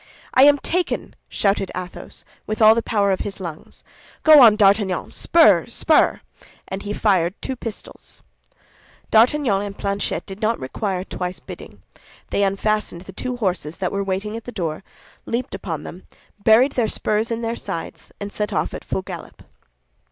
"I am taken!" shouted Athos, with all the power of his lungs. "Go on, D'Artagnan! Spur, spur!" and he fired two pistols. D'Artagnan and Planchet did not require twice bidding; they unfastened the two horses that were waiting at the door, leaped upon them, buried their spurs in their sides, and set off at full gallop.